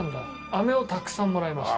アメをたくさんもらいました。